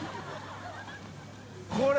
これ。